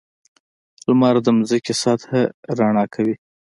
• لمر د ځمکې سطحه رڼا کوي.